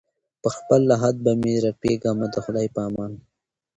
پر خپل لحد به مي رپېږمه د خدای په امان